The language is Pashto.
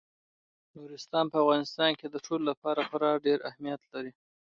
نورستان په افغانستان کې د ټولو لپاره خورا ډېر اهمیت لري.